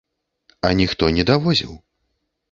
А ніхто не даводзіў.